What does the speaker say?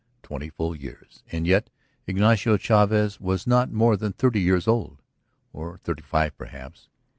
Twenty full years, and yet Ignacio Chavez was not more than thirty years old, or thirty five, perhaps.